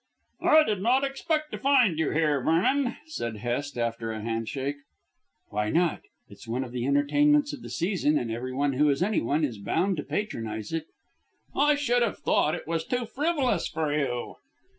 "I did not expect to find you here, Vernon," said Hest after a handshake. "Why not? It's one of the entertainments of the season, and everyone who is anyone is bound to patronise it." "I should have thought it was too frivolous for you."